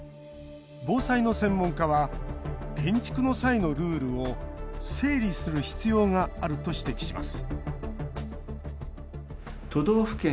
防災の専門家は建築の際のルールを整理する必要があると指摘します